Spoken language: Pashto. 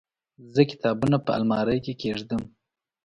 زه کتابونه په المارۍ کې کيږدم.